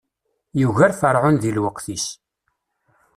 Yugar ferɛun di lweqt-is.